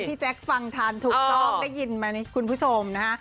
พี่แจ๊คฟังทันถูกตอบได้ยินมานะคุณผู้ชมนะค่ะ